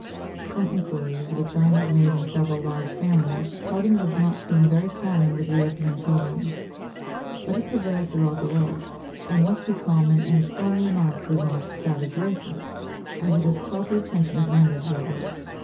From inquiries which I have made in several large families, pouting does not seem very common with European children; but it prevails throughout the world, and must be both common and strongly marked with most savage races, as it has caught the attention of many observers.